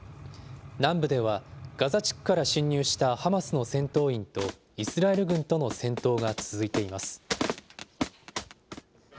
南部では、ガザ地区から侵入したハマスの戦闘員とイスラエル軍との戦闘が続いています。